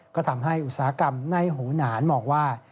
ก็ทำให้อุตสาหกรรมในหูหนานมองว่า